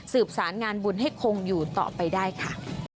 สารงานบุญให้คงอยู่ต่อไปได้ค่ะ